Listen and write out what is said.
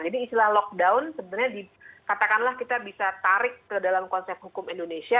jadi istilah lockdown sebenarnya katakanlah kita bisa tarik ke dalam konsep hukum indonesia